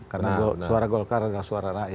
karena suara golkar adalah suara rakyat